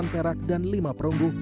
delapan perak dan lima perunggu